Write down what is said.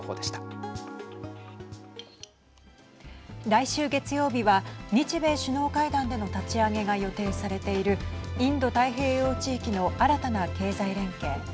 来週月曜日は日米首脳会談での立ち上げが予定されているインド太平洋地域の新たな経済連携